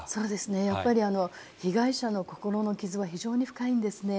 やっぱり被害者の心の傷は非常に深いんですね。